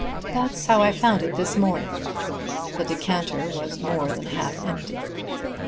"That's how I found it this morning." The decanter was more than half empty.